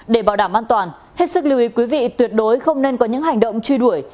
để bảo đảm an toàn hết sức lưu ý quý vị tuyệt đối không nên có những hành động truy đuổi